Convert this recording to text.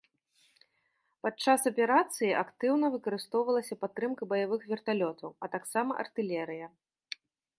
Падчас аперацыі актыўна выкарыстоўвалася падтрымка баявых верталётаў, а таксама артылерыя.